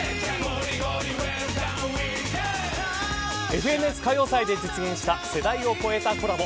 ＦＮＳ歌謡祭で実現した世代を超えたコラボ。